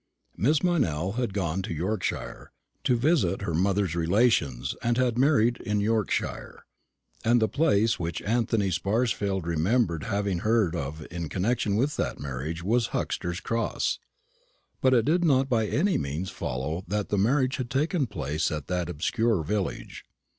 Miss Meynell had gone to Yorkshire, to visit her mother's relations, and had married in Yorkshire; and the place which Anthony Sparsfield remembered having heard of in connection with that marriage was Huxter's Cross. But it did not by any means follow that the marriage had taken place at that obscure village.